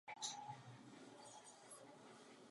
Hodně štěstí, pane prezidente Sarkozy.